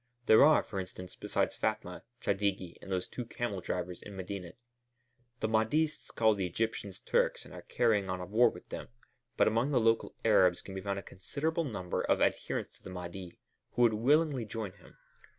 There are, for instance, besides Fatma, Chadigi and those two camel drivers in Medinet. The Mahdists call the Egyptians Turks and are carrying on a war with them, but among the local Arabs can be found a considerable number of adherents of the Mahdi, who would willingly join him.